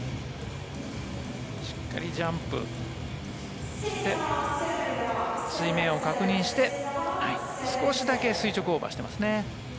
しっかりジャンプして水面を確認して少しだけ垂直オーバーしてますね。